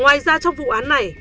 ngoài ra trong vụ án này